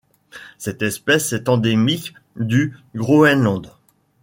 Cette espèce est endémique du Groenland.